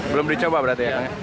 belum dicoba berarti ya